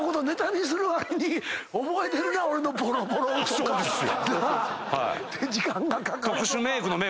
そうですよ！